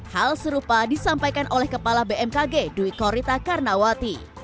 hal serupa disampaikan oleh kepala bmkg dwi korita karnawati